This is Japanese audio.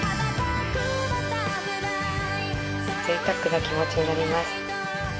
ぜいたくな気持ちになります。